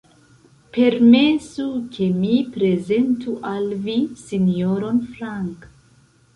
Permesu, ke mi prezentu al vi Sinjoron Frank.